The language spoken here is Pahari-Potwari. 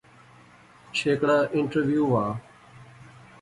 چھیکڑا انٹرویو وہا